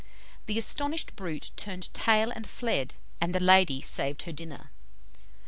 The astonished brute turned tail and fled, and the lady saved her dinner.